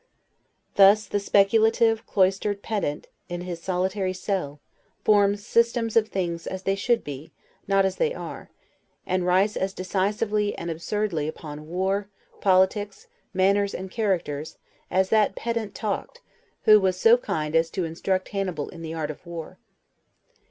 Thus, the speculative, cloistered pedant, in his solitary cell, forms systems of things as they should be, not as they are; and writes as decisively and absurdly upon war, politics, manners, and characters, as that pedant talked, who was so kind as to instruct Hannibal in the art of war.